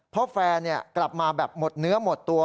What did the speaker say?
เพราะแฟนกลับมาแบบหมดเนื้อหมดตัว